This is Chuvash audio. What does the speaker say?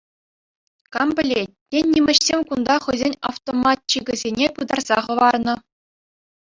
Кам пӗлет, тен нимӗҫсем кунта хӑйсен автоматчикӗсене пытарса хӑварнӑ.